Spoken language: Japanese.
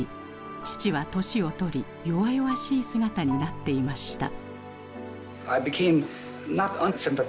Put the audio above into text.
父は年を取り弱々しい姿になっていました。